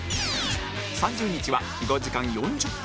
３０日は５時間４０分